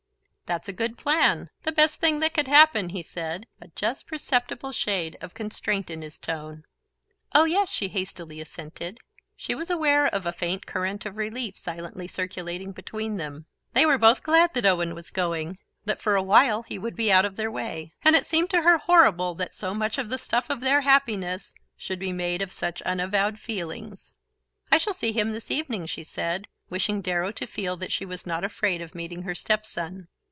"That's a good plan; the best thing that could happen," he said, a just perceptible shade of constraint in his tone. "Oh, yes," she hastily assented. She was aware of a faint current of relief silently circulating between them. They were both glad that Owen was going, that for a while he would be out of their way; and it seemed to her horrible that so much of the stuff of their happiness should be made of such unavowed feelings... "I shall see him this evening," she said, wishing Darrow to feel that she was not afraid of meeting her step son.